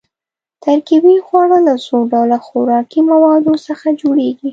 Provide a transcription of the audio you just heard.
ترکیبي خواړه له څو ډوله خوراکي موادو څخه جوړیږي.